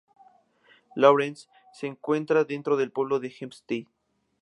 Lawrence se encuentra dentro del pueblo de Hempstead.